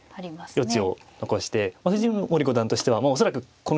はい余地を残して藤森五段としては恐らくこの局面